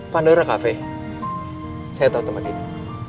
pandora cafe saya tahu tempat itu